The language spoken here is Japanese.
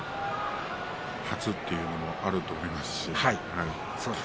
初というのもあると思いますし。